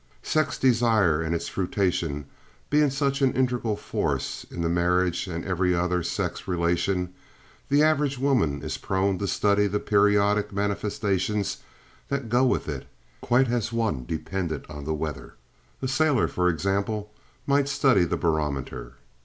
Sex desire and its fruition being such an integral factor in the marriage and every other sex relation, the average woman is prone to study the periodic manifestations that go with it quite as one dependent on the weather—a sailor, or example—might study the barometer.